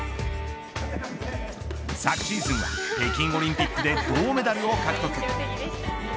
昨シーズンは北京オリンピックで銅メダルを獲得。